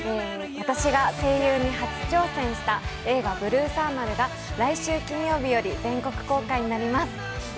私が声優に初挑戦した映画「ブルーサーマル」が来週金曜日より全国公開になります。